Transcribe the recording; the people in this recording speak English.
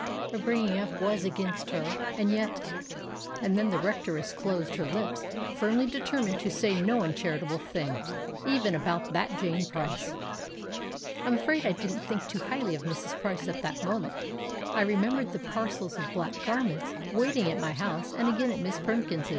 Her bringing up was against her. And yet——" And then the Rectoress closed her lips firmly determined to say no uncharitable thing, even about "that Jane Price." I'm afraid I didn't think too highly of Mrs. Price at that moment. I remembered the parcels of black garments waiting at my house and again at Miss Primkins'.